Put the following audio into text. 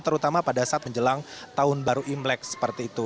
terutama pada saat menjelang tahun baru imlek seperti itu